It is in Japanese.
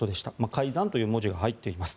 改ざんという文字が入っています。